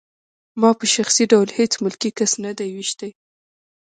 ما په شخصي ډول هېڅ ملکي کس نه دی ویشتی